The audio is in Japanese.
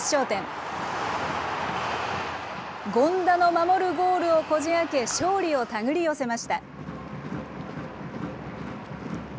権田の守るゴールをこじあけ、勝利を手繰り寄せました。